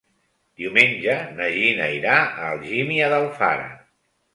Diumenge na Gina irà a Algímia d'Alfara.